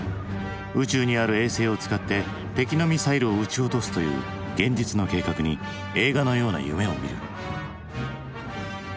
宇宙にある衛星を使って敵のミサイルを撃ち落とすという現実の計画に映画のような夢をみる。